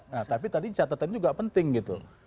nah tapi tadi catatannya juga penting gitu